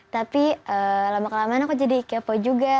tapi lama kelamaan aku jadi kepo juga